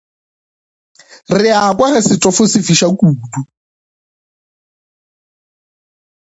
Re a kwa ge setofo se fiša kudu.